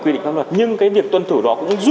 quy định pháp luật nhưng cái việc tuân thủ đó cũng giúp